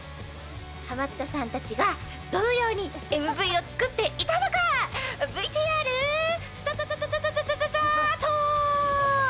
ハマったさんたちがどのようにＭＶを作っていたのかＶＴＲスタタタタタタート！